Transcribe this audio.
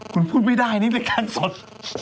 คุณพูดไม่ได้นี่เป็นการสด